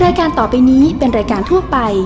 รายการต่อไปนี้เป็นรายการทั่วไป